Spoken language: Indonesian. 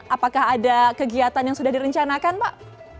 apakah ada kegiatan yang sudah direncanakan pak